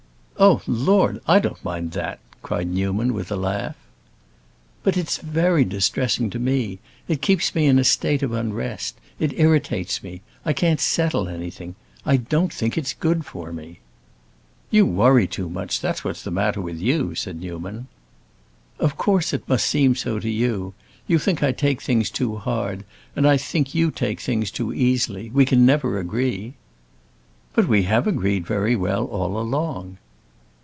"Oh Lord, I don't mind that!" cried Newman, with a laugh. "But it's very distressing to me. It keeps me in a state of unrest. It irritates me; I can't settle anything. I don't think it's good for me." "You worry too much; that's what's the matter with you," said Newman. "Of course it must seem so to you. You think I take things too hard, and I think you take things too easily. We can never agree." "But we have agreed very well all along."